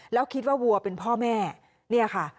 แล้วคิดว่าวัวเป็นพ่อแม่เนี่ยค่ะ